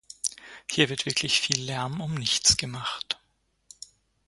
Hier wird wirklich viel Lärm um nichts gemacht.